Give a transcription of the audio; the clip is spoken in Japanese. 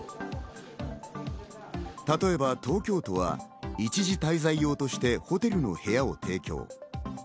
例えば東京都は一時滞在用としてホテルの部屋を提供。